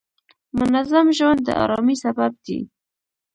منظم ژوند د آرامۍ سبب دی.